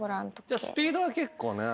じゃあスピードは結構ね。